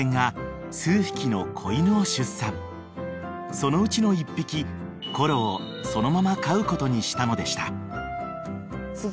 ［そのうちの１匹コロをそのまま飼うことにしたのでした］